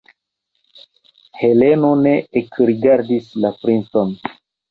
Heleno ne ekrigardis la princon.